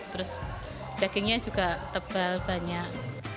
terus dagingnya juga tebal banyak